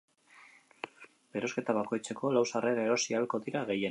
Erosketa bakoitzeko, lau sarrera erosi ahalko dira gehienez.